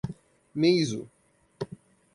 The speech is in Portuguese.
Meizu